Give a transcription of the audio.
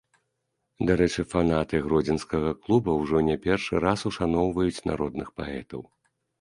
Дарэчы, фанаты гродзенскага клуба ўжо не першы раз ушаноўваюць народных паэтаў.